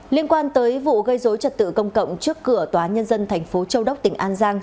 liên quan tới vụ gây dối trật tự công cộng trước cửa tòa nhân dân thành phố châu đốc tỉnh an giang